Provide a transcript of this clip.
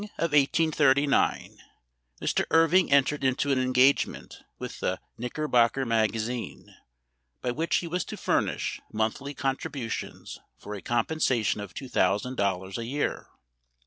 CHAPTER XXXIII. IN the spring of 1839 Mr. Irving entered into an engagement with the " Knickerbocker Magazine," by which he was to furnish monthly contributions for a compensation of two thou sand dollars a year.